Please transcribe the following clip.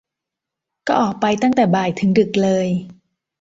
ก็ออกไปตั้งแต่บ่ายถึงดึกเลย